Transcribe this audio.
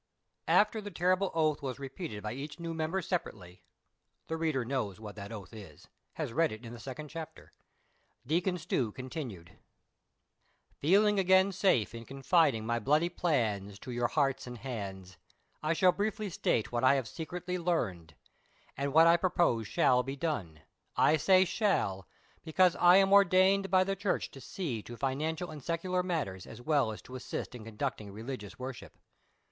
After the terrible oath was repeated by each new mem ber separately (the reader knows what that oath is ; has read it in the second chapter). Deacon Stew continued : 114 THE SOCIAL WAR OF 1900; OR, *■' Feeling again safe in conliding my bloody plans to your heaits and iiands, 1 shall biielly state wiiat i iiave secretly learned, and what I propose shall be done ; I say shull^ be cause I am ordained by the Church to see to tiiiancial and secular matters as well as to assist in conducting religious worship.